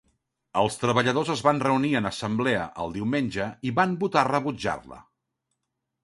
Els treballadors es van reunir en assemblea el diumenge i van votar rebutjar-la.